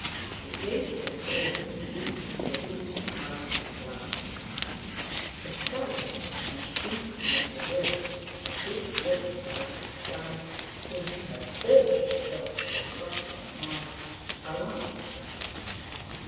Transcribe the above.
To James' great relief they reached the house at last; the silence and impenetrability of this woman by his side, whom he had always thought so soft and mild, alarmed him.